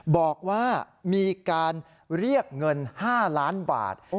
บอกว่ามีการเรียกเงิน๕ล้านบาท